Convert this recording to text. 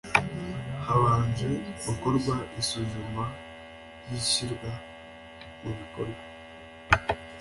habanje gukorwa isuzuma ry ishyirwa mu bikorwa